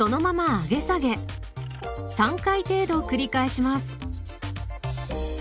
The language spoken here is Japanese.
３回程度繰り返します。